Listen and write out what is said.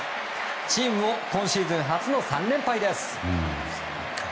チームも今シーズン初の３連敗です。